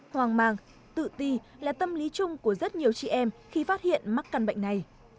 hoang mang tự ti là tâm lý chung của rất nhiều chị em khi phát hiện mắc căn bệnh này